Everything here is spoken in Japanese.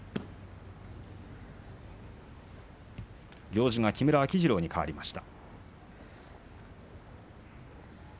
行司は木村秋治郎にかわりました。